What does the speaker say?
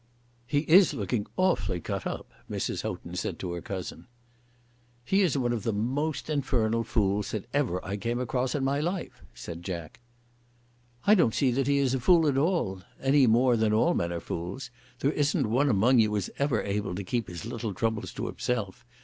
"He is looking awfully cut up," Mrs. Houghton said to her cousin. "He is one of the most infernal fools that ever I came across in my life," said Jack. "I don't see that he is a fool at all, any more than all men are fools. There isn't one among you is ever able to keep his little troubles to himself.